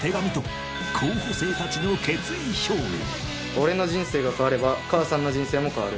俺の人生が変われば母さんの人生も変わる。